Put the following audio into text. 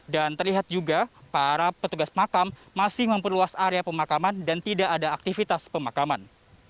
dan terlihat juga para petugas makam masih memperluas area pemakaman dan tidak ada aktivitas pemakaman